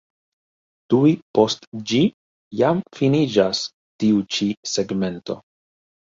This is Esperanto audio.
Tuj post ĝi jam finiĝas tiu ĉi segmento.